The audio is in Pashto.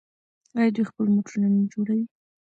آیا دوی خپل موټرونه نه جوړوي؟